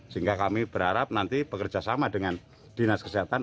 sehingga kami berharap nanti bekerjasama dengan dinas kesehatan